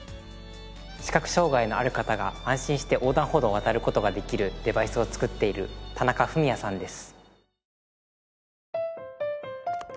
視覚障害のある方が安心して横断歩道を渡る事ができるデバイスを作っている田中郁也さんです。